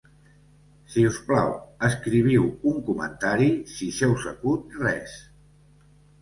Si us plau, escriviu un comentari si se us acut res!